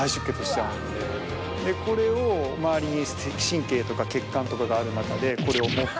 これを周りに神経とか血管とかがある中でこれをもって。